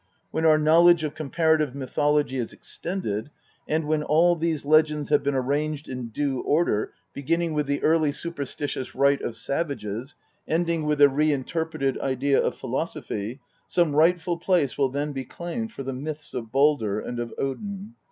When our knowledge of comparative mythology is extended, and when all these legends have been arranged in due order, beginning with the early superstitious rite of savages, ending with the reinterpreted idea of philosophy, some rightful place will then be claimed for the myths of Baldr and of Odin.